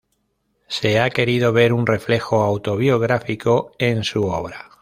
Se ha querido ver un reflejo autobiográfico en su obra.